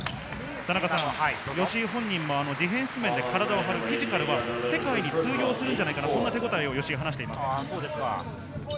吉井本人もディフェンス面で体を張るフィジカルは世界に通用するんじゃないかな、そんな手応えを話しています。